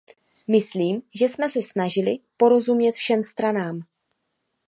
Myslím, že jsme se snažili porozumět všem stranám.